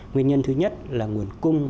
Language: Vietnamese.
nguyên nhân thứ nhất là nguồn cung